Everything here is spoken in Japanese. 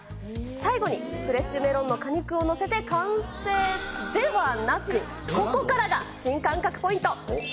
最後に、フレッシュメロンの果肉を載せて完成ではなく、ここからが新感覚ポイント。